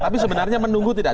tapi sebenarnya menunggu tidak